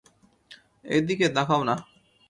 এই দিকে তাকাও না।